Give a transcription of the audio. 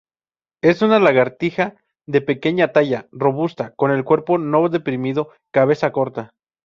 Es una lagartija de pequeña talla, robusta, con el cuerpo no deprimido, cabeza corta.